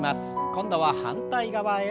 今度は反対側へ。